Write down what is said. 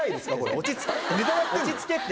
落ち着けって。